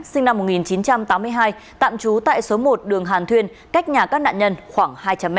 sinh năm một nghìn chín trăm tám mươi hai tạm trú tại số một đường hàn thuyên cách nhà các nạn nhân khoảng hai trăm linh m